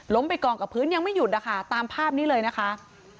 ไปกองกับพื้นยังไม่หยุดนะคะตามภาพนี้เลยนะคะ